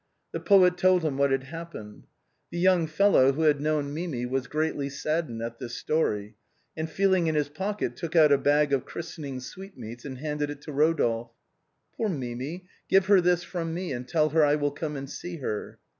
The poet told him what had happened. The young fellow, who had known Mimi, was greatly saddened at this story, and feeling in his pocket took out a bag of christening sweetmeats and handed it to Rodolphe. " Poor Mimi, give her this from me and tell her I will come and see her."